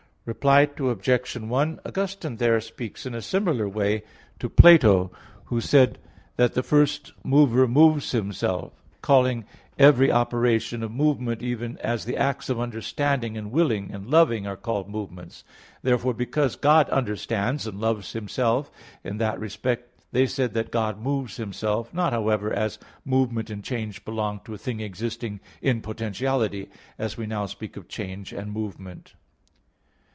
Reply Obj. 1: Augustine there speaks in a similar way to Plato, who said that the first mover moves Himself; calling every operation a movement, even as the acts of understanding, and willing, and loving, are called movements. Therefore because God understands and loves Himself, in that respect they said that God moves Himself, not, however, as movement and change belong to a thing existing in potentiality, as we now speak of change and movement.